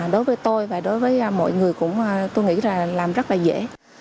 đối với tôi và đối với mọi người cũng tôi nghĩ là làm rất là dễ